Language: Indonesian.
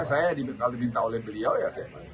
saya dikali kali minta oleh beliau ya